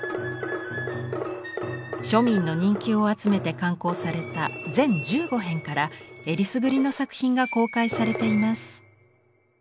庶民の人気を集めて刊行された全１５編からえりすぐりの作品が公開されています。